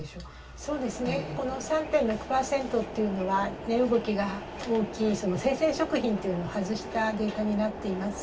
そうですねこの３．６％というのは値動きが大きい生鮮食品というのを外したデータになっています。